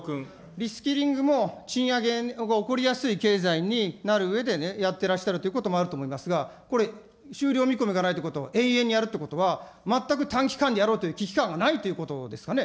リスキリングも賃上げが起こりやすい経済になるうえでやってらっしゃるということもあると思いますが、これ、終了見込みがないということは、永遠にやるということは、全く短期間でやろうという危機感がないということですかね。